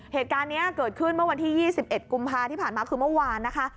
เหตุการณ์นี้เกิดขึ้นเมื่อวันที่๒๑กุมภาที่ผ่านมาคือเมื่อวานนะคะ